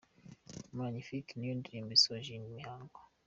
Magnificat niyo ndirimbo isoje iyi mihango.